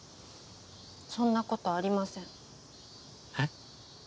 そんなことありませんえっ？